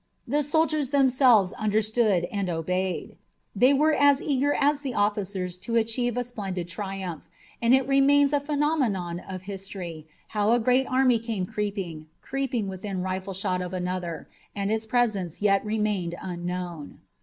The soldiers themselves understood and obeyed. They were as eager as the officers to achieve a splendid triumph, and it remains a phenomenon of history how a great army came creeping, creeping within rifle shot of another, and its presence yet remained unknown.